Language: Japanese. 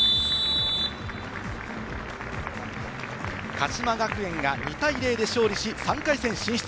鹿島学園が２対０で勝利し、３回戦進出。